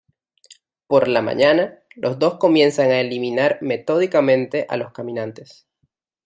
Por la mañana, los dos comienzan a eliminar metódicamente a los caminantes.